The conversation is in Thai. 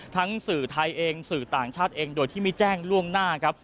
สื่อไทยเองสื่อต่างชาติเองโดยที่ไม่แจ้งล่วงหน้าครับ